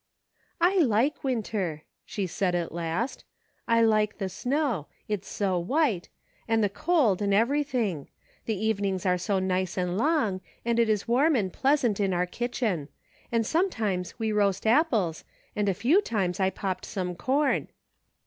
" I like winter," she said, at last. " I like the snow — it's so white — and the cold, and every thing. The evenings are so nice and long, and it is warm and pleasant in our kitchen ; and some times we roast apples, and a few times I popped some corn.